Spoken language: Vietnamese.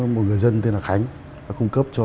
một người dân tên là khánh đã cung cấp cho